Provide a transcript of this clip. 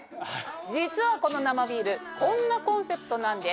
実はこの生ビールこんなコンセプトなんです。